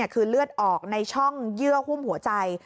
คือเลือดออกในช่องเยื่อหุ้มหัวใจ